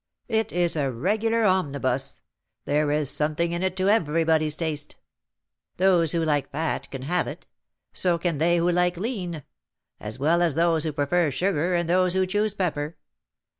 It is a regular omnibus; there is something in it to everybody's taste. Those who like fat can have it; so can they who like lean; as well as those who prefer sugar, and those who choose pepper.